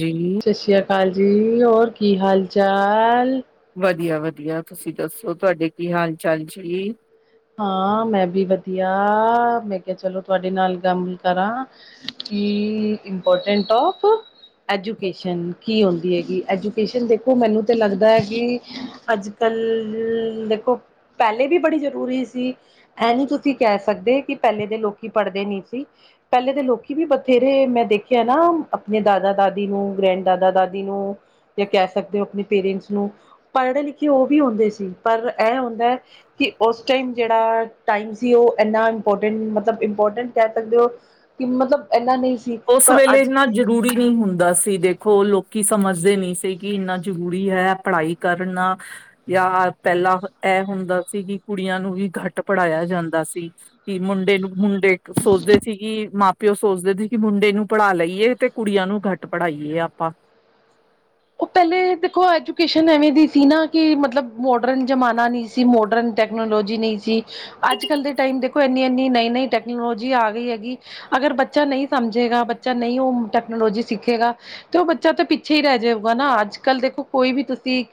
ਜੀ ਸਤਿ ਸ਼੍ਰੀ ਅਕਾਲ ਜੀ ਹੋਰ ਕੀ ਹਾਲ ਚਾਲ ਵਧੀਆ ਵਧੀਆ ਤੁਸੀਂ ਦੱਸੋ ਤੁਹਾਡੇ ਕੀ ਹਾਲ ਚਾਲ ਜੀ ਹਾਂ ਮੈਂ ਵੀ ਵਧੀਆ ਮੈਂ ਕਿਹਾ ਚਲੋ ਤੁਹਾਡੇ ਨਾਲ ਗੱਲ ਕਰਾਂ ਕੀ ਇੰਪੋਰਟੈਂਟ ਟੋਪ ਐਜੂਕੇਸ਼ਨ ਕੀ ਹੁੰਦੀ ਹੈਗੀ ਐਜੂਕੇਸ਼ਨ ਦੇਖੋ ਮੈਨੂੰ ਤਾਂ ਲੱਗਦਾ ਹੈ ਕਿ ਅੱਜ ਅੱਜ ਕੱਲ ਦੇਖੋ ਪਹਿਲੇ ਵੀ ਬੜੀ ਜ਼ਰੂਰੀ ਸੀ ਇਹ ਨੀ ਤੁਸੀਂ ਕਹਿ ਸਕਦੇ ਕਿ ਪਹਿਲੇ ਦੇ ਲੋਕੀ ਪੜ੍ਹਦੇ ਨਹੀਂ ਸੀ ਪਹਿਲੇ ਦੇ ਲੋਕੀ ਵੀ ਬਥੇਰੇ ਮੈਂ ਦੇਖਿਆ ਨਾ ਆਪਣੇ ਦਾਦਾ ਦਾਦੀ ਨੂੰ ਗ੍ਰੈਂਡ ਦਾਦਾ ਦਾਦੀ ਨੂੰ ਜਾਂ ਕਹਿ ਸਕਦੇ ਹੋ ਆਪਣੇ ਪੇਰੈਂਟਸ ਨੂੰ ਪੜ੍ਹੇ ਲਿਖੇ ਉਹ ਵੀ ਹੁੰਦੇ ਸੀ ਪਰ ਇਹ ਹੁੰਦਾ ਕਿ ਉਸ ਉਸ ਟਾਈਮ ਜਿਹੜਾ ਟਾਈਮ ਸੀ ਉਹ ਇੰਨਾ ਇੰਪੋਰਟੈਂਟ ਮਤਲਬ ਇੰਪੋਰਟੈਂਟ ਕਹਿ ਸਕਦੇ ਓ ਕਿ ਮਤਲਬ ਇੰਨਾ ਨਹੀਂ ਸੀ ਉਸ ਵੇਲੇ ਅੱਜ ਇੰਨਾ ਜ਼ਰੂਰੀ ਨਹੀਂ ਹੁੰਦਾ ਸੀ ਦੇਖੋ ਉਹ ਲੋਕੀ ਸਮਝਦੇ ਨਹੀਂ ਸੀ ਕਿ ਇੰਨਾ ਜ਼ਰੂਰੀ ਹੈ ਪੜ੍ਹਾਈ ਕਰਨਾ ਜਾਂ ਪਹਿਲਾਂ ਇਹ ਹੁੰਦਾ ਸੀ ਕਿ ਕੁੜੀਆਂ ਨੂੰ ਵੀ ਘੱਟ ਪੜ੍ਹਾਇਆ ਜਾਂਦਾ ਸੀ ਕਿ ਮੁੰਡੇ ਨੂੰ ਮੁੰਡੇ ਸੋਚਦੇ ਸੀ ਕਿ ਮਾਂ ਪਿਓ ਸੋਚਦੇ ਸੀ ਕਿ ਮੁੰਡੇ ਨੂੰ ਪੜ੍ਹਾ ਲਈਏ ਤੇ ਕੁੜੀਆਂ ਨੂੰ ਘੱਟ ਪੜ੍ਹਾਈਏ ਆਪਾਂ ਉਹ ਪਹਿਲੇ ਦੇਖੋ ਐਜੂਕੇਸ਼ਨ ਐਵੇਂ ਦੀ ਸੀ ਨਾ ਕਿ ਮਤਲਬ ਮੋਡਰਨ ਜਮਾਨਾ ਨਹੀਂ ਸੀ ਜੀ ਮੋਡਰਨ ਟੈਕਨੋਲੋਜੀ ਨਹੀਂ ਸੀ ਅੱਜ ਕੱਲ ਦੇ ਟਾਈਮ ਦੇਖੋ ਇੰਨੀ ਇੰਨੀ ਨਈ ਨਈ ਟੈਕਨੋਲੋਜੀ ਆ ਗਈ ਹੈਗੀ ਅਗਰ ਬੱਚਾ ਨਹੀਂ ਸਮਝੇਗਾ ਬੱਚਾ ਨਹੀਂ ਉਹ ਟੈਕਨੋਲੋਜੀ ਸਿੱਖੇਗਾ ਤੇ ਉਹ ਬੱਚਾ ਤਾਂ ਪਿੱਛੇ ਹੀ ਰਹਿ ਜਾਉ ਗਾ ਨਾ ਅੱਜ ਕੱਲ੍ਹ ਦੇਖੋ ਕੋਈ ਵੀ ਤੁਸੀਂ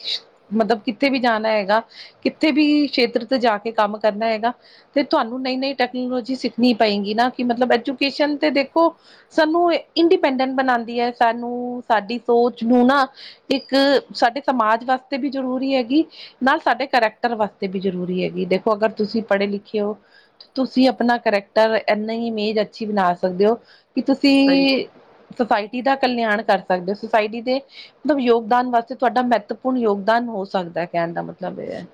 ਮਤਲਬ ਕਿੱਥੇ ਵੀ ਜਾਣਾ ਹੈਗਾ ਕਿੱਥੇ ਵੀ ਸ਼ੇਤਰ ਤੇ ਜਾ ਕੇ ਕੰਮ ਕਰਨਾ ਹੈਗਾ ਤੇ ਤੁਹਾਨੂੰ ਨਈ ਨਈ ਟੈਕਨੋਲੋਜੀ ਸਿੱਖਣੀ ਪਏਗੀ ਨਾ ਕਿ ਮਤਲਬ ਐਜੂਕੇਸ਼ਨ ਤੇ ਦੇਖੋ ਸਾਨੂੰ ਇੰਡੀਪੈਂਡੈਂਟ ਬਣਾਉਂਦੀ ਏ ਸਾਨੂੰ ਸਾਡੀ ਸੋਚ ਨੂੰ ਨਾ ਇੱਕ ਸਾਡੇ ਸਮਾਜ ਵਾਸਤੇ ਵੀ ਜ਼ਰੂਰੀ ਹੈਗੀ ਨਾਲ ਸਾਡੇ ਕਰੈਕਟਰ ਵਾਸਤੇ ਵੀ ਜ਼ਰੂਰੀ ਹੈਗੀ, ਦੇਖੋ ਅਗਰ ਤੁਸੀਂ ਪੜ੍ਹੇ ਲਿਖੇ ਹੋ ਤੁਸੀਂ ਆਪਣਾ ਕਰੈਕਟਰ ਐਨਾ ਇਮੇਜ ਅੱਛੀ ਬਣਾ ਸਕਦੇ ਹੋ ਕਿ ਸਹੀ ਤੁਸੀਂ, ਸੁਸਾਇਟੀ ਦਾ ਕਲਿਆਣ ਕਰ ਸਕਦੇ ਸੁਸਾਇਟੀ ਦੇ ਮਤਲਬ ਯੋਗਦਾਨ ਵਾਸਤੇ ਤਾਡਾ ਮਹੱਤਵਪੂਰਨ ਯੋਗਦਾਨ ਹੋ ਸਕਦਾ ਕਹਿਣ ਦਾ ਮਤਲਬ ਇਹ ਹੈ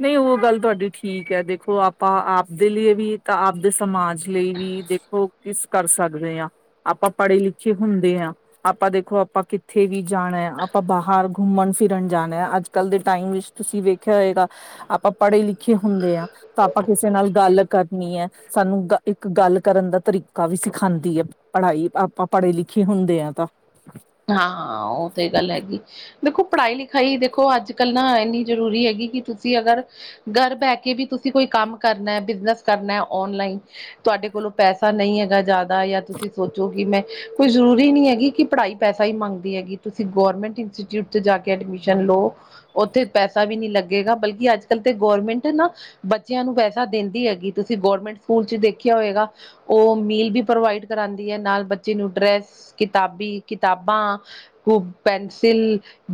ਨਹੀਂ ਉਹ ਗੱਲ ਤੁਹਾਡੀ ਠੀਕ ਹੈ ਦੇਖੋ ਆਪਾਂ ਆਪਦੇ ਲਈ ਵੀ ਤਾਂ ਆਪਦੇ ਸਮਾਜ ਲਈ ਵੀ ਦੇਖੋ ਕਿਸ ਕਰ ਸਕਦੇ ਆਂ ਆਪਾਂ ਪੜ੍ਹੇ ਲਿਖੇ ਹੁੰਦੇ ਹਾਂ ਆਪਾਂ ਦੇਖੋ ਆਪਾਂ ਕਿੱਥੇ ਵੀ ਜਾਣਾ ਹੈ, ਆਪਾਂ ਬਾਹਰ ਘੁੰਮਣ ਫਿਰਨ ਜਾਣਾ ਹੈ ਅੱਜ- ਕੱਲ ਦੇ ਟਾਈਮ ਵਿੱਚ ਤੁਸੀਂ ਵੇਖਿਆ ਹੋਏਗਾ, ਆਪਾਂ ਪੜ੍ਹੇ- ਲਿਖੇ ਹੁੰਦੇ ਆਂ ਤਾਂ ਆਪਾਂ ਕਿਸੇ ਨਾਲ ਗੱਲ ਕਰਨੀ ਐ, ਸਾਨੂੰ ਇੱਕ ਗੱਲ ਕਰਨ ਦਾ ਤਰੀਕਾ ਵੀ ਸਿਖਾਂਦੀ ਹੈ ਪੜ੍ਹਾਈ ਆਪਾਂ ਪੜ੍ਹੇ ਲਿਖੇ ਹੁੰਦੇ ਆਂ ਤਾਂ ਹਾਂ ਉਹ ਤੇ ਗੱਲ ਹੈਗੀ ਦੇਖੋ ਪੜ੍ਹਾਈ ਲਿਖਾਈ ਦੇਖੋ ਅੱਜ- ਕੱਲ ਨਾ ਐਨੀ ਜ਼ਰੂਰੀ ਹੈਗੀ ਕਿ ਤੁਸੀਂ ਅਗਰ ਘਰ ਬਹਿ ਕੇ ਵੀ ਤੁਸੀਂ ਕੋਈ ਕੰਮ ਕਰਨਾ, ਬਿਜਨਸ ਕਰਨਾ ਔਨਲਾਈਨ ਤਾਡੇ ਕੋਲੋਂ ਪੈਸਾ ਨਹੀਂ ਹੈਗਾ ਜ਼ਿਆਦਾ ਜਾਂ ਤੁਸੀਂ ਸੋਚੋ ਕਿ ਮੈਂ ਕੋਈ ਜ਼ਰੂਰੀ ਨਹੀਂ ਹੈਗੀ ਕਿ ਪੜ੍ਹਾਈ ਪੈਸਾ ਹੀ ਮੰਗਦੀ ਹੈਗੀ, ਤੁਸੀਂ ਗੌਰਮੈਂਟ ਇੰਸਟੀਚਿਊਟ 'ਚ ਜਾ ਕੇ ਐਡਮਿਸ਼ਨ ਲਓ ਉੱਥੇ ਪੈਸਾ ਵੀ ਨੀ ਲੱਗੇਗਾ, ਬਲਕਿ ਅੱਜ-ਕੱਲ ਕੱਲ ਤੇ ਗੌਰਮੈਂਟ ਨਾ ਬੱਚਿਆਂ ਨੂੰ ਪੈਸਾ ਦਿੰਦੀ ਹੈਗੀ, ਤੁਸੀਂ ਗੌਰਮੈਂਟ ਸਕੂਲ 'ਚ ਦੇਖਿਆ ਹੋਏਗਾ ਉਹ ਮੀਲ ਵੀ ਪ੍ਰੋਵਾਈਡ ਕਰਾਂਦੀ ਹੈ ਨਾਲ ਬੱਚੇ ਨੂੰ ਡਰੈਸ, ਕਿਤਾਬੀ, ਕਿਤਾਬਾਂ ਖੂਬ ਪੈਨਸਿਲ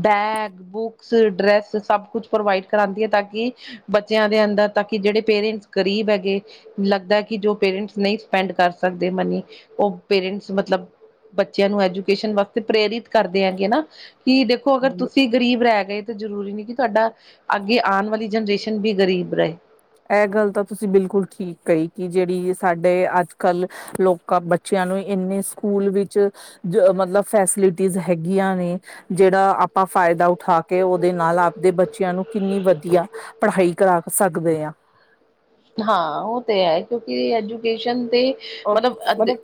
ਬੈਗ, ਬੁਕਸ, ਡਰੈਸ ਸਭ ਕੁਛ ਪ੍ਰੋਵਾਈਡ ਕਰਾਂਂਉਦੀ ਹੈ ਤਾਂ ਕਿ ਬੱਚਿਆਂ ਦੇ ਅੰਦਰ ਤੱਕ ਕਿ ਜਿਹੜੇ ਪੇਰੈਂਟਸ ਗ਼ਰੀਬ ਹੈਗੇ ਲੱਗਦਾ ਕਿ ਜੋ ਪੇਰੈਂਟਸ ਨਹੀਂ ਸਪੈਂਡ ਕਰ ਸਕਦੇ ਮਨੀ, ਉਹ ਪੇਰੈਂਟਸ ਮਤਲਬ ਬੱਚਿਆਂ ਨੂੰ ਐਜੂਕੇਸ਼ਨ ਵਾਸਤੇ ਪ੍ਰੇਰਿਤ ਕਰਦੇ ਹੈਗੇ ਨਾ, ਕਿ ਦੇਖੋ ਅਗਰ ਤੁਸੀਂ ਗਰੀਬ ਰਹਿ ਗਏ ਤਾਂ ਜ਼ਰੂਰੀ ਨਹੀਂ ਕਿ ਤਾਡਾ ਅੱਗੇ ਆਉਣ ਵਾਲੀ ਜਨਰੇਸ਼ਨ ਵੀ ਗ਼ਰੀਬ ਰੇ ਐਹ ਗੱਲ ਤਾਂ ਤੁਸੀਂ ਬਿਲਕੁਲ ਠੀਕ ਕਹੀ ਕਿ ਜਿਹੜੀ ਸਾਡੇ ਅੱਜ- ਕੱਲ ਲੋਕਾਂ ਬੱਚਿਆਂ ਨੂੰ ਇੰਨੇ ਸਕੂਲ ਵਿੱਚ ਜ ਮਤਲਬ ਫੈਸਿਲਿਟੀਜ਼ ਹੈਗੀਆਂ ਨੇ ਜੇਹੜਾ ਆਪਾਂ ਫਾਇਦਾ ਉਠਾ ਕੇ ਉਹਦੇ ਨਾਲ ਆਪਦੇ ਬੱਚਿਆਂ ਨੂੰ ਕਿੰਨੀ ਵਧੀਆ ਪੜ੍ਹਾਈ ਕਰਾ ਸਕਦੇ ਆਂ ਹਾਂ ਉਹ ਤੇ ਹੈ, ਕਿਉਂਕਿ ਐਜੂਕੇਸ਼ਨ ਤੇ ਆਹ ਮਤਲਬ ਮੰਨੇ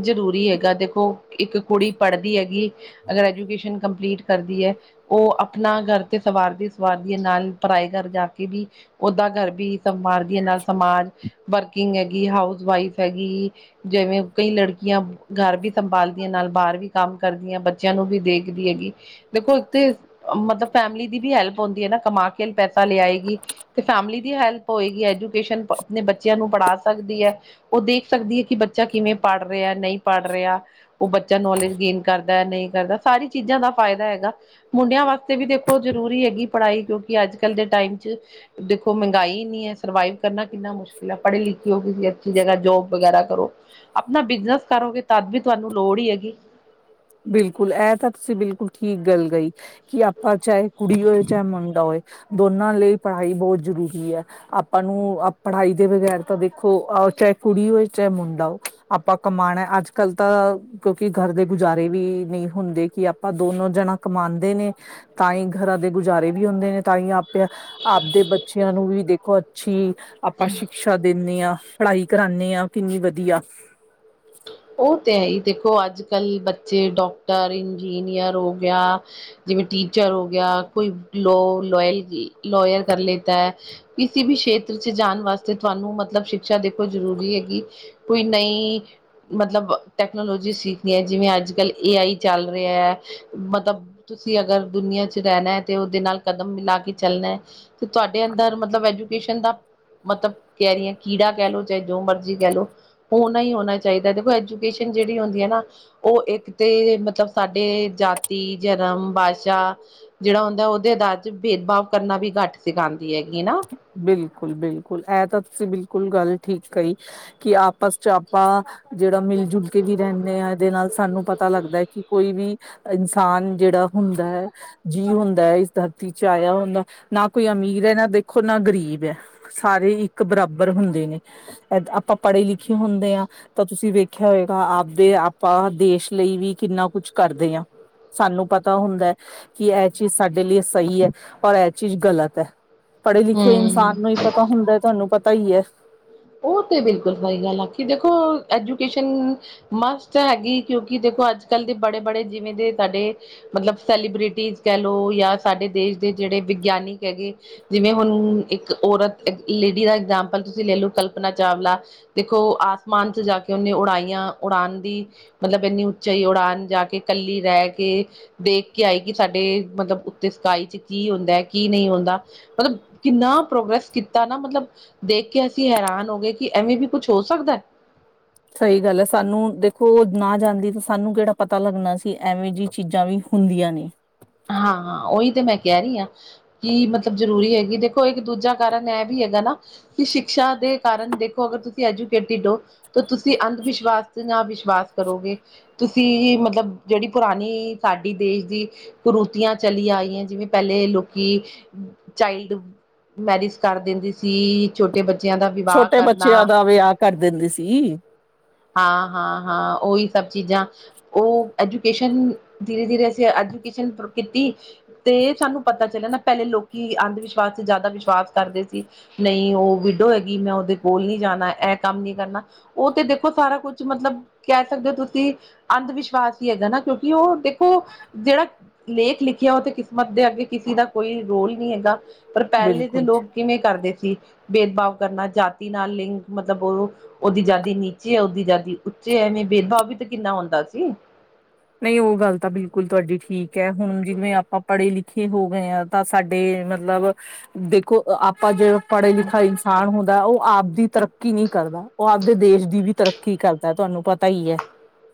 ਜ਼ਰੂਰੀ ਹੈਗਾ ਦੇਖੋ, ਇੱਕ ਕੁੜੀ ਪੜਦੀ ਹੈਗੀ ਅਗਰ ਐਜੂਕੇਸ਼ਨ ਕੰਪਲੀਟ ਕਰਦੀ ਐ ਉਹ ਆਪਣਾ ਘਰ ਤੇ ਸਵਾਰਦੀ ਸਵਾਰਦੀਏ ਨਾਲ ਪਰਾਏ ਘਰ ਜਾ ਕੇ ਵੀ ਉਹਦਾ ਗਰ ਵੀ ਸੰਭਾਲਦੀਏ ਨਾਲ ਸਮਾਜ ਵਰਕਿੰਗ ਹੈਗੀ, ਹਾਊਸ ਵਾਈਫ ਹੈਗੀ ਜਿਵੇਂ ਕਈ ਲੜਕੀਆਂ, ਗਰ ਵੀ ਸੰਭਾਲਦੀਆਂ ਨਾਲ ਬਾਹਰ ਵੀ ਕੰਮ ਕਰਦੀਆਂ ਬੱਚਿਆਂ ਨੂੰ ਵੀ ਦੇਖਦੀ ਹੈਗੀ ਦੇਖੋ ਇੱਥੇ, ਮਤਲਬ ਫੈਮਿਲੀ ਦੀ ਵੀ ਹੈਲਪ ਹੁੰਦੀ ਹੈ ਕਮਾ ਕੇ ਪੈਸਾ ਲਿਆਏਗੀ ਤੇ ਫੈਮਿਲੀ ਦੀ ਹੈਲਪ ਹੋਏਗੀ ਐਜੂਕੇਸ਼ਨ ਆਪਣੇ ਬੱਚਿਆਂ ਨੂੰ ਪੜਾ ਸਕਦੀ ਐ ਉਹ ਦੇਖ ਸਕਦੀ ਹੈ ਕਿ ਬੱਚਾ ਕਿਵੇਂ ਪੜ ਰਿਹਾ ਨਹੀਂ ਪੜ ਰਿਹਾ ਉਹ ਬੱਚਾ ਨੌਲੇਜ ਗੇਨ ਕਰਦਾ, ਨਹੀਂ ਕਰਦਾ ਸਾਰੀ ਚੀਜ਼ਾਂ ਦਾ ਫਾਇਦਾ ਹੈਗਾ ਮੁੰਡਿਆਂ ਵਾਸਤੇ ਵੀ ਦੇਖੋ ਜ਼ਰੂਰੀ ਹੈਗੀ ਪੜ੍ਹਾਈ ਕਿਉਂਕਿ ਅੱਜ- ਕੱਲ ਦੇ ਟਾਈਮ 'ਚ ਦੇਖੋ ਮਗਾਈ ਐਨੀ ਐ ਸਰਵਾਈਵ ਕਰਨਾ ਕਿੰਨਾ ਮੁਸ਼ਕਿਲ ਐ, ਪੜ੍ਹੇ- ਲਿਖੇ ਹੋ ਕਿਸ ਅੱਛੀ ਜਗ੍ਹ ਜੋਬ ਵਗੈਰਾ ਕਰੋ। ਆਪਣਾ ਬਿਜਨਸ ਕਰੋਗੇ ਤਦ ਵੀ ਤੁਹਾਨੂੰ ਲੋੜ ਈ ਹੈਗੀ। ਬਿਲਕੁਲ ਇਹ ਤਾਂ ਤੁਸੀਂ ਬਿਲਕੁਲ ਠੀਕ ਗੱਲ ਗਈ ਕਿ ਆਪਾਂ ਚਾਹੇ ਕੁੜੀ ਹੋਏ ਚਾਹੇ ਮੁੰਡਾ ਹੋਏ ਦੋਨਾਂ ਲਈ ਪੜ੍ਹਾਈ ਬਹੁਤ ਜ਼ਰੂਰੀ ਐ। ਆਪਾਂ ਨੂੰ ਪੜ੍ਹਾਈ ਦੇ ਬਗੈਰ ਤਾਂ ਦੇਖੋਹ ਚਾਹੇ ਕੁੜੀ ਹੋਵੇ ਚਾਹੇ ਮੁੰਡਾ ਔ ਆਪਾਂ ਕਮਾਣਾ ਅੱਜ- ਕੱਲ ਤਾਂ ਕਿਉਂਕਿ ਗਰ ਦੇ ਕੁ ਗੁਜ਼ਾਰੇ ਵੀ ਨਹੀਂ ਹੁੰਦੇ ਕਿ ਆਪਾਂ ਦੋਨੋ ਜਣਾ ਕਮਾਂਦੇ ਨੇ ਤਾਂ ਈ ਗਰਾਂ ਦੇ ਗੁਜ਼ਾਰੇ ਵੀ ਹੁੰਦੇ ਨੇ ਤਾਂਹੀ ਆਪਿਆ ਆਪਦੇ ਬੱਚਿਆਂ ਨੂੰ ਵੀ ਦੇਖੋ ਅੱਛੀ ਆਪਾਂ ਸ਼ਿਕਸ਼ਾ ਦਿੰਨੇ ਆ, ਪੜ੍ਹਾਈ ਕਰਾਨੇ ਆ ਕਿੰਨੀ ਵਧੀਆ। ਉਹ ਤੇ ਐ ਈ ਦੇਖੋ ਅੱਜ -ਕੱਲ੍ਹ ਬੱਚੇ ਡਾਕਟਰ, ਇੰਜੀਨੀਅਰ ਹੋ ਗਿਆ। ਜਿਵੇਂ ਟੀਚਰ ਹੋ ਗਿਆ, ਕੋਈ ਲੋ ਲਲ ਲਇਰ ਕਰ ਲਤਾ ਐ ਕਿਸੇ ਵੀ ਸ਼ੇਤਰ ਚ ਜਾਣ ਵਾਸਤੇ ਤੁਹਾਨੂੰ ਮਤਲਬ ਸ਼ਿਕਸ਼ਾ ਦੇਖੋ ਜ਼ਰੂਰੀ ਹੈਗੀ। ਕੋਈ ਨਹੀਂ ਮਤਲਬ ਟੈਕਨੋਲੋਜੀ ਸਿੱਖਦੀਆਂ ਜਿਵੇਂ ਅੱਜ- ਕੱਲ੍ਹ ਏ ਆਈ ਚੱਲ ਰਿਹਾ ਐ। ਮਤਲਬ ਤੁਸੀਂ ਅਗਰ ਦੁਨੀਆਂ ਚ ਰਹਿਣਾ ਐ ਤੇ ਉਹਦੇ ਨਾਲ ਕਦਮ ਮਿਲਾ ਕੇ ਚੱਲਣਾ ਐ। ਤੇ ਤੁਹਾਡੇ ਅੰਦਰ ਮਤਲਬ ਐਜੂਕੇਸ਼ਨ ਦਾ ਮਤਲਬ ਕਹਿ ਰਹੀ ਅ ਕੀੜਾ ਕਹਿ ਲਓ, ਚਾਹੇ ਜੋ ਮਰਜ਼ੀ ਕਹਿ ਲਓ ਔਣਾ ਈ ਔਣਾ ਚਾਈਦਾ, ਦੇਖੋ ਐਜੂਕੇਸ਼ਨ ਜਿਹੜੀ ਹੁੰਦੀ ਐ ਨਾ ਉਹ ਇੱਕ ਤੇ ਮਤਲਬ ਸਾਡੇ ਜਾਤੀ, ਜਰਮ, ਭਾਸ਼ਾ ਜਿਹੜਾ ਹੁੰਦਾ ਉਹਦੇ ਅਧਾਰ ਚ ਭੇਦਭਾਵ ਕਰਨਾ ਵੀ ਘੱਟ ਸਿਖਾਂਦੀ ਹੈਗੀ ਨਾ। ਬਿਲਕੁਲ, ਬਿਲਕੁਲ ਇਹ ਤਾਂ ਤੁਸੀਂ ਬਿਲਕੁਲ ਗੱਲ ਠੀਕ ਕਹੀ ਕਿ ਆਪਸ 'ਚ ਆਪਾਂ ਜਿਹੜਾ ਮਿਲ ਜੁਲ ਕੇ ਵੀ ਰਹਿੰਨੇ ਆ, ਇਹਦੇ ਨਾਲ ਸਾਨੂੰ ਪਤਾ ਲੱਗਦਾ ਐ ਕਿ ਕੋਈ ਵੀ ਇਨਸਾਨ ਜਿਹੜਾ ਹੁੰਦਾ ਹੈ। ਜੀਅ ਹੁੰਦਾ ਐ, ਇਸ ਦਰਤੀ ਚ ਆਇਆ ਹੁੰਦਾ ਨਾ ਕੋਈ ਅਮੀਰ ਐ ਇਹ ਨਾ ਦੇ ਖੋ ਨਾ ਗ਼ਰੀਬ ਐ, ਸਾਰੇ ਇੱਕ ਬਰਾਬਰ ਹੁੰਦੇ ਨੇ। ਆਪਾਂ ਪੜ੍ਹੇ -ਲਿਖੇ ਹੁੰਦੇ ਆ। ਤਾਂ ਤੁਸੀਂ ਵੇਖਿਆ ਹੋਏਗਾ ਆਪਦੇ, ਆਪਾਂ ਦੇਸ਼ ਲਈ ਵੀ ਕਿੰਨਾ ਕੁਛ ਕਰਦੇ ਆ। ਸਾਨੂੰ ਪਤਾ ਹੁੰਦਾ ਐ ਕਿ ਇਹ ਚੀਜ਼ ਸਾਡੇ ਲਈ ਸਹੀ ਐ, ਔਰ ਇਹ ਚੀਜ਼ ਗ਼ਲਤ ਐ। ਪੜ੍ਹੇ- ਲਿਖੇ ਹਮ ਇਨਸਾਨ ਨੂੰ ਈ ਪਤਾ ਹੁੰਦਾ ਹੈ, ਤੁਹਾਨੂੰ ਪਤਾ ਈ ਐ। ਉਹ ਤੇ ਬਿਲਕੁਲ ਸਹੀ ਗੱਲ ਆ ਕਿ ਦੇਖੋ ਐਜੂਕੇਸ਼ਨ ਮਸਤ ਹੈਗੀ, ਕਿਉਂਕਿ ਦੇਖੋ ਅੱਜ -ਕੱਲ੍ਹ ਦੇ ਬੜੇ -ਬੜੇ ਜਿਵੇਂ ਦੇ ਸਾਡੇ ਮਤਲਬ ਸੈਲੀਬ੍ਰਿਟੀਜ਼ ਕਹਿ ਲਓ ਜਾਂ ਸਾਡੇ ਦੇਸ਼ ਦੇ ਜਿਹੜੇ ਵਿਗਿਆਨਿਕ ਹੈਗੇ। ਜਿਵੇਂ ਹੁਣ ਇੱਕ ਔਰਤ ਲੇਡੀ ਦਾ ਐਗਜਾਮਪਲ ਤੁਸੀਂ ਲੈ ਲਓ, ਕਲਪਨਾ ਚਾਵਲਾ ਦੇਖੋ ਆਸਮਾਨ ਚ ਜਾ ਕੇ ਉਹਨੇ ਉਡਾਈਆਂ, ਉਡਾਨ ਦੀ ਮਤਲਬ ਇੰਨੀ ਉੱਚਾਈ ਉਡਾਨ ਜਾ ਕੇ ਕੱਲੀ ਰਹਿ ਕੇ ਦੇਖ ਕੇ ਆਈ ਕਿ ਸਾਡੇ ਮਤਲਬ ਉੱਤੇ ਸਕਾਈ ਚ ਕੀ ਹੁੰਦਾ ਐ ਕੀ ਨਹੀਂ ਹੁੰਦਾ। ਮਤਲਬ ਕਿੰਨਾ ਪ੍ਰੋਗਰੈਸ ਕੀਤਾ ਨਾ ਮਤਲਬ ਦੇਖ ਕੇ ਅਸੀਂ ਹੈਰਾਨ ਗੇ ਕਿ ਐਵੇਂ ਵੀ ਕੁੱਛ ਹੋ ਸਕਦਾ। ਸਹੀ ਗੱਲ ਐ, ਸਾਨੂੰ ਦੇਖੋ ਨਾ ਜਾਂਦੀ ਤਾਂ ਸਾਨੂੰ ਕਿਹੜਾ ਪਤਾ ਲੱਗਣਾ ਸੀ ਐਵੇਂ ਜਿਹੀ ਚੀਜ਼ਾਂ ਵੀ ਹੁੰਦੀਆਂ ਨੇ ਹਾਂ- ਹਾਂ ਉਹੀ ਤੇ ਮੈਂ ਕਹਿ ਰਹੀ ਆ। ਕੀ ਮਤਲਬ ਜ਼ਰੂਰੀ ਹੈਗੀ, ਦੇਖੋ ਇੱਕ ਦੂਜਾ ਕਾਰਨ ਇਹ ਵੀ ਹੈਗਾ ਨਾ ਕਿ ਸ਼ਿਕਸ਼ਾ ਦੇ ਕਾਰਨ ਦੇਖੋ ਅਗਰ ਤੁਸੀਂ ਐਜੂਕੇਟਿਡ ਔ ਤਾਂ ਤੁਸੀਂ ਅੰਧ ਵਿਸ਼ਵਾਸ ਦੇ ਨਾਲ ਵਿਸ਼ਵਾਸ ਕਰੋਗੇ। ਤੁਸੀਂ ਮਤਲਬ ਜਿਹੜੀ ਪੁਰਾਣੀ ਸਾਡੀ ਦੇਸ਼ ਦੀ ਕੁਰੂਤੀਆਂ ਚਲੀ ਆਈਆਂ ਜਿਵੇਂ ਪਹਿਲੇ ਲੋਕੀ ਚਾਈਲਡ ਮੈਰਿਜ ਕਰ ਦਿੰਦੇ ਸੀ। ਛੋਟੇ ਬੱਚਿਆਂ ਦਾ ਵਿਵਾਹ ਛੋਟੇ ਬੱਚਿਆਂ ਕਰਨਾ। ਦਾ ਵਿਆਹ ਕਰ ਦਿੰਦੇ ਸੀ ਹਾਂ ਹਾਂ ਹਾਂ ਉਹੀ ਸਭ ਚੀਜ਼ਾਂ ਉਹ ਐਜੂਕੇਸ਼ਨ ਧੀਰੇ ਧੀਰੇ ਅਸੀਂ ਐਜੂਕੇਸ਼ਨ ਸੂਰੁ ਕੀਤੀ। ਤੇ ਸਾਨੂੰ ਪਤਾ ਚੱਲਿਆ ਨਾ ਪਹਿਲੇ ਲੋਕੀ ਅੰਧ ਵਿਸ਼ਵਾਸ ਤੇ ਜ਼ਿਆਦਾ ਵਿਸ਼ਵਾਸ ਕਰਦੇ ਸੀ। ਨਹੀਂ ਉਹ ਵਿਡੋ ਹੈਗੀ ਮੈਂ ਉਹਦੇ ਪੋਲ ਨਹੀਂ ਜਾਣਾ ਇਹ ਕੰਮ ਨਹੀਂ ਕਰਨਾ। ਉਹ ਤੇ ਦੇਖੋ ਸਾਰਾ ਕੁਛ ਮਤਲਬ ਕਹਿ ਸਕਦੇ ਹੋ ਤੁਸੀਂ? ਅੰਧ ਵਿਸ਼ਵਾਸ ਹੀ ਹੈਗਾ ਨਾ ਕਿਉਂਕਿ ਉਹ ਦੇਖੋ ਜਿਹੜਾ ਲੇਖ ਲਿਖਿਆ ਉਹ ਤੇ ਕਿਸਮਤ ਦੇ ਅੱਗੇ ਕਿਸੇ ਦਾ ਕੋਈ ਰੋਲ ਨਹੀਂ ਹੈਗਾ। ਪਰ ਪਹਿਲੇ ਦੇ ਬਿਲਕੁਲ ਲੋਕ- ਕਿਵੇਂ ਕਰਦੇ ਸੀ ਭੇਦਭਾਵ ਕਰਨਾ ਜਾਤੀ ਨਾਲ ਲਿੰਗ ਮਤਲਬ ਉਹ ਉਹਦੀ ਜਾਾਦੀ ਏਨੀ ਉੱਚੀ ਹੈ ਉਹਦੀ ਜਾਾਦੀ ਉੱਚੇ ਹੈ ਐਵੇਂ ਭੇਦਭਾਵ ਵੀ ਤਾਂ ਕਿੰਨਾ ਹੁੰਦਾ ਸੀ। ਨਹੀਂ ਉਹ ਗੱਲ ਤਾਂ ਬਿਲਕੁਲ ਤੁਹਾਡੀ ਠੀਕ ਹੈ ਹੁਣ ਜਿਵੇਂ ਆਪਾਂ ਪੜ੍ਹੇ ਲਿਖੇ ਹੋ ਗਏ ਹਾਂ। ਤਾਂ ਸਾਡੇ ਮਤਲਬ ਦੇਖੋ ਆਪਾਂ ਜੇਹੜਾ ਪੜ੍ਹੇ ਹੂੰ, ਲਿਖਾ ਇਨਸਾਨ ਹੁੰਦਾ ਉਹ ਆਪਦੀ ਤਰੱਕੀ ਨਹੀਂ ਕਰਦਾ ਉਹ ਆਪਦੇ ਦੇਸ਼ ਦੀ ਵੀ ਤਰੱਕੀ ਕਰਦਾ ਤੁਹਾਨੂੰ ਪਤਾ ਹੀ ਹੈ।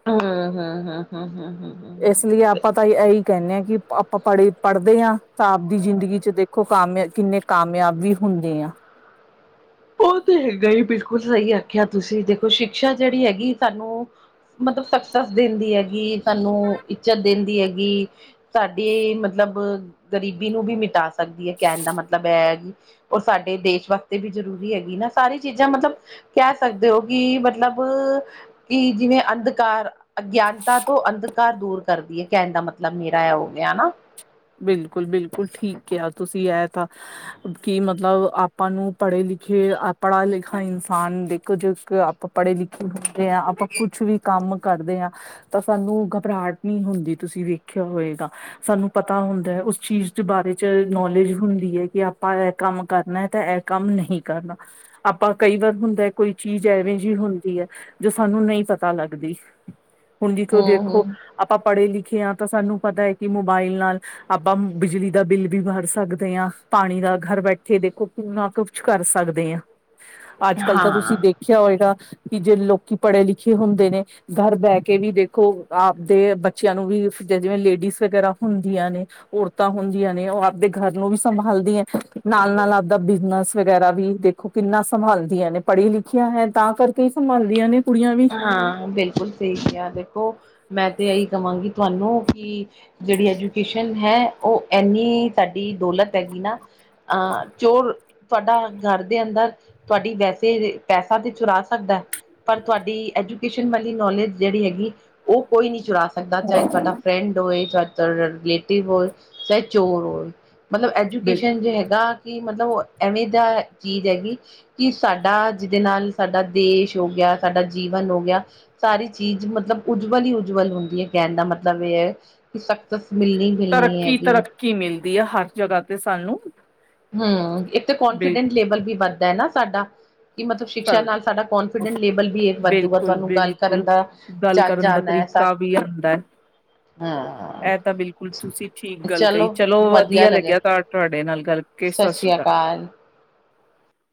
ਹੂੰ ਹੂੰ ਹੂੰ ਹੂੰ ਹ ਇਸ ਲਈ ਆਪਾਂ ਤਾਂ ਇਹੀ ਕਹਿੰਦੇ ਹਾਂ ਕਿ ਆਪਾਂ ਪੜ੍ਹੇ ਪੜ੍ਹਦੇ ਹਾਂ ਤਾਂ ਆਪਦੀ ਜ਼ਿੰਦਗੀ ਚ ਦੇਖ ਖੋ ਕਾਮਯਾਬ ਕਿੰਨੇ ਕਾਮਯਾਬ ਵੀ ਹੁੰਦੇ ਆ। ਉਹ ਤੇ ਹੈਗਾ ਹੀ ਬਿਲਕੁਲ ਸਹੀ ਆਖਿਆ ਤੁਸੀਂ ਦੇਖੋ ਸ਼ਿਕਸ਼ਾ ਜਿਹੜੀ ਹੈਗੀ ਸਾਨੂੰ ਮਤਲਬ ਸਕਸੈਸ ਦਿੰਦੀ ਹੈਗੀ ਸਾਨੂੰ ਇੱਜਤ ਦਿੰਦੀ ਹੈਗੀ। ਸਾਡੀੇ ਮਤਲਬ ਗਰੀਬੀ ਨੂੰ ਵੀ ਮਿਟਾ ਸਕਦੀ ਹੈ ਕਹਿਣ ਦਾ ਮਤਲਬ ਇਹ ਹੈਗੀ ਰ ਸਾਡੇ ਦੇਸ਼ ਵਾਸਤੇ ਵੀ ਜ਼ਰੂਰੀ ਏ। ਵੀ ਹੈਗੀ ਨਾ ਸਾਰੀ ਚੀਜ਼ਾਂ ਮਤਲਬ ਕਹਿ ਸਕਦੇ ਹੋ ਕਿ ਮਤਲਬ ਕਿ ਜਿਵੇਂ ਅੰਧਕਾਰ ਅਗਿਆਨਤਾ ਤੋਂ ਅੰਧਕਾਰ ਦੂਰ ਕਰਦੀ ਹੈ ਕਹਿਣ ਦਾ ਮਤਲਬ ਮੇਰਾ ਹੋ ਗਿਆ ਹਨਾ। ਬਿਲਕੁਲ ਬਿਲਕੁਲ ਠੀਕ ਕਿਹਾ ਤੁਸੀਂ ਐ ਤਾ। ਕਿ ਮਤਲਬ ਆਪਾਂ ਨੂੰ ਪੜ੍ਹੇ ਲਿਖੇ ਪੜ੍ਹਾ ਲਿਖਾ ਇਨਸਾਨ ਦੇ ਜ ਇੱਕ, ਆਪਾਂ ਪੜ੍ਹੇ ਲਿਖੇ ਹੁੰਦੇ ਹਾਂ ਆਪਾਂ ਕੁਛ ਵੀ ਕੰਮ ਕਰਦੇ ਹਾਂ ਤਾਂ ਸਾਨੂੰ ਘਬਰਾਹਟ ਨਹੀਂ ਹੁੰਦੀ ਤੁਸੀਂ ਵੇਖਿਆ ਹੋਏਗਾ ਸਾਨੂੰ ਪਤਾ ਹੁੰਦਾ ਹੈ ਉਸ ਚੀਜ਼ ਦੇ ਬਾਰੇ ਚ ਨੌਲੇਜ ਹੁੰਦੀ ਹੈ ਕਿ ਆਪਾਂ ਇਹ ਕੰਮ ਕਰਨਾ ਤੇ ਇਹ ਕੰਮ ਨਹੀਂ ਕਰਨਾ। ਆਪਾਂ ਕਈ ਵਾਰ ਹੁੰਦਾ ਕੋਈ ਚੀਜ਼ ਐਵੇਂ ਜਿਹੀ ਹੁੰਦੀ ਹੈ। ਜੋ ਸਾਨੂੰ ਨਹੀਂ ਪਤਾ ਲੱਗਦੀ। ਹੁਣ ਜੀ ਕੋ ਹਮ ਦੇਖੋ ਹਮ ਆਪਾਂ ਪੜ੍ਹੇ ਲਿਖੇ ਹਾਂ ਤਾਂ ਸਾਨੂੰ ਪਤਾ ਹੈ ਕਿ ਮੋਬਾਇਲ ਨਾਲ ਆਪਾਂ ਬਿਜਲੀ ਦਾ ਬਿੱਲ ਵੀ ਭਰ ਸਕਦੇ ਹਾਂ। ਪਾਣੀ ਦਾ ਘਰ ਬੈਠੇ ਦੇਖੋ ਕਿਨਾ ਕੁਛ ਕਰ ਸਕਦੇ ਹਾਂ। ਅੱ ਅੱਜ ਕੱਲ ਤਾਂ ਤੁਸੀਂ ਦੇਖਿਆ ਹੋਏਗਾ ਕਿ ਜੇ ਲੋਕੀ ਪੜ੍ਹੇ ਲਿਖੇ ਹੁੰਦੇ ਨੇ ਘਰ ਬਹਿ ਕੇ ਵੀ ਦੇਖੋ ਆਪਦੇ ਬੱਚਿਆਂ ਨੂੰ ਵੀ ਜਿਵੇਂ ਲੇਡੀਜ਼ ਵਗੈਰਾ‌ ਹੁੰਦੀਆਂ ਨੇ। ਔਰਤਾਂ ਹੁੰਦੀਆਂ ਨੇ ਉਹ ਆਪਦੇ ਘਰ ਨੂੰ ਵੀ ਸੰਭਾਲਦੀਆਂ ਨਾਲ ਨਾਲ ਆਪਦਾ ਬਿਜਨਸ ਵਗੈਰਾ ਵੀ ਦੇਖ। ਤੇ ਕਿੰਨਾ ਸੰਭਾਲਦੀਆਂ ਨੇ ਪੜ੍ਹੀ ਲਿਖੀਆਂ ਹੈ ਤਾਂ ਕਰਕੇ ਹੀ ਸੰਭਾਲਦੀਆਂ ਨੇ। ਕੁੜੀਆਂ ਵੀ ਹਾਂ ਬਿਲਕੁਲ ਸਹੀ ਹੈ ਦੇਖੋ ਮੈਂ ਤੇ ਇਹੀ ਕਹਾਂਗੀ ਤੁਹਾਨੂੰ ਕਿ ਜਿਹੜੀ ਐਜੂਕੇਸ਼ਨ ਹੈ ਉਹ ਐੰਨੀ ਸਾਡੀ ਦੌਲਤ ਹੈਗੀ ਨਾ। ਅਹ ਚੋਰ ਤੁਆਡਾ ਘਰ ਦੇ ਅੰਦਰ ਤੁਆਡੀ ਵੈਸੇ ਪੈਸਾ ਤੇ ਚੁਰਾ ਸਕਦੈ। ਤੁਆਡੀ ਐਜੂਕੇਸ਼ਨ ਵਾਲੀ ਨੌਲੇਜ ਜੇੜੀ ਹੇਗੀ ਓ ਕੋਈ ਨੀ ਚੁਰਾਾ ਸਕਦਾ ਚਾਏ ਥਾਡਾ ਫਰੈਂਡ ਹੋਏ ਚਾਏ ਤਾਡਾ ਰਿਲੇਟਿਵ ਹੋਏ ਚਾਏ ਚੋਰ ਹੋਏ ਮਲਬ ਬਿਲ ਐਜੂਕੇਸ਼ਨ ਜੇ ਹੈਗਾ ਕਿ ਮਤਲਬ ਓ ਐਵੇਂ ਦਾ ਚੀਜ਼ ਹੈਗੀ ਕਿ ਸਾਡਾ ਜਿਦੇ ਨਾਲ ਸਾਡਾ ਦੇਸ਼ ਹੋ ਗਿਆ ਸਾਡਾ ਜੀਵਨ ਹੋ ਗਿਆ ਸਾਰੀ ਚੀਜ਼ ਮਤਲਬ ਉਜਵਲ ਹੀ ਉਜਵਲ ਹੁੰਦੀ ਐ ਕੈਂਣ ਦਾ ਮਤਲਬ ਏ ਐ ਕਿ ਸਕਸਸ ਮਿਲਨੀ ਤਰੱਕੀ -ਤਰੱਕੀ ਮਿਲਦੀ ਆ ਹਰ ਜਗ੍ਹਾ ਤੇ ਸਾਨੂੰ। ਹੰ ਇੱਕ ਤੇ ਕਨਫੀਡੈਂਸ ਲੇਵਲ ਵੀ ਵੱਧਦਾ ਏ ਨਾ ਸਾਡਾ। ਕਿ ਮਤਲਬ ਸ਼ਿਕਸ਼ਾ ਬਿਲਕੁਲ ਨਾਲ ਸਾਡਾ ਕੋਨਫੀਡੈਂਟ ਲੇਵਲ ਵੀ ਏਕ ਵੱਧੂਗਾ ਬਿਲਕੁਲ ਤੁਆਨੂੰ ਗੱਲ ਕਰਨ ਦਾ ਚੱਜ ਆਨਾ ਏ ਕਾ ਬੀ ਆਂਦੈ। ਹਾਂ ਐ ਤਾ ਬਿਲਕੁਲ ਤੁਸੀ ਠੀਕ ਗੱਲ ਕਈ ਚਲੋ ਵਧੀਆ ਲੱਗਿਆ ਤਾ ਤੁਆਡੇ ਨਾਲ ਕਰਕੇ ਸਤਿ ਸ੍ਰੀ ਸਾਸ੍ਰੀਕਾਲ। ਅਕਾਲ